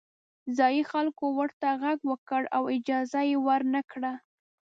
ځايي خلکو ورته غږ وکړ او اجازه یې ورنه کړه.